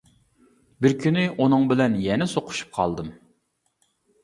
بىر كۈنى ئۇنىڭ بىلەن يەنە سوقۇشۇپ قالدىم.